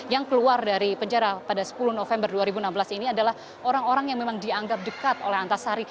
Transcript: yang keluar dari penjara pada sepuluh november dua ribu enam belas ini adalah orang orang yang memang dianggap dekat oleh antasari